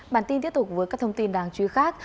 bản tin tiếp tục với các thông tin đáng chú ý khác